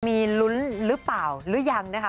มีลุ้นหรือเปล่าหรือยังนะคะ